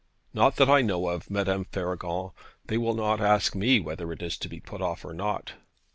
'Not that I know of, Madame Faragon: they will not ask me whether it is to be put off or not.'